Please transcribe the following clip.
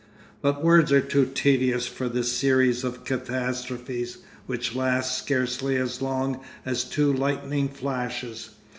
But words are too tedious for that series of catastrophes, which lasts scarcely as long as two lightning flashes.